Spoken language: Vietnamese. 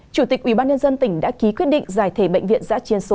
chủ tịch ubnd tỉnh đã ký quyết định giải thể bệnh viện giã chiến số